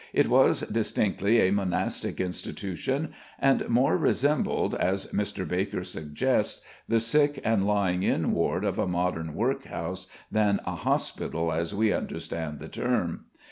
It was distinctly a monastic institution, and more resembled, as Mr. Baker suggests, the sick and lying in ward of a modern workhouse than a hospital as we understand the term.